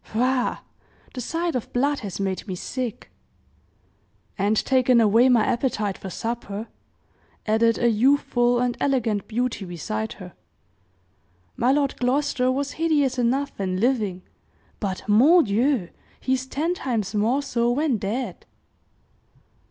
"Faugh! The sight of blood has made me sick." "And taken away my appetite for supper," added a youthful and elegant beauty beside her. "My Lord Gloucester was hideous enough when living, but, mon Dieu! he is ten times more so when dead!"